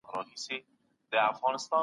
ده پر خلکو باندي ږغ کړل چي ملګرو